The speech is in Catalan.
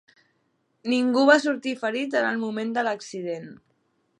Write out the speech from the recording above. Ningú va sortir ferit en el moment de l'accident.